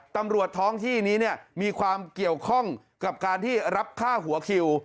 ตำรวจท้องที่นี้เนี่ยมีความเกี่ยวข้องกับการที่รับค่าหัวคิว